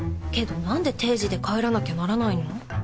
けどなんで定時で帰らなきゃならないの？